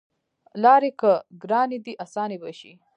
لاری که ګرانې دي اسانې به شي